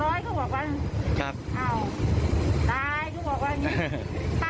อ้าวได้ก็บอกว่าอย่างงี้ป้าหาทางบ้านป้ายังมันไม่มีกำไรสามร้อยบาทเลยป้า